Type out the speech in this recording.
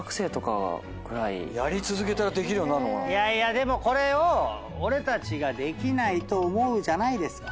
でもこれを俺たちができないと思うじゃないですか。